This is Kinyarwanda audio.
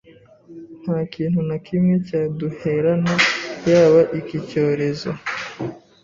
nta kintu na kimwe cya duherana yaba iki cyorezo